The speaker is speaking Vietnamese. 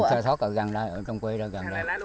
mình khai thác ở gần đây ở trong quê đây gần đây